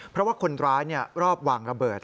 เพราะว่าคนร้ายรอบวางระเบิด